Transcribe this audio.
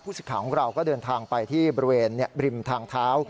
ผู้สิทธิ์ขาวของเราก็เดินทางไปที่บริมฐางเท้า